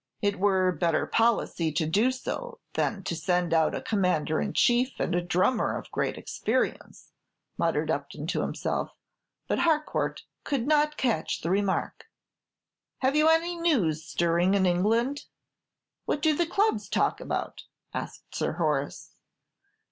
"It were better policy to do so than to send out a 'commander in chief and a drummer of great experience,'" muttered Upton to himself; but Harcourt could not catch the remark. "Have you any news stirring in England? What do the clubs talk about?" asked Sir Horace.